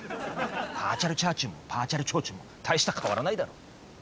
パーチャルチャーチューもパーチャルチョーチューも大して変わらないだろ。